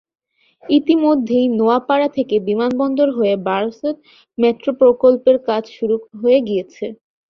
ইতিমধ্যেই নোয়াপাড়া থেকে বিমানবন্দর হয়ে বারাসত মেট্রো প্রকল্পের কাজ শুরু হয়ে গিয়েছে।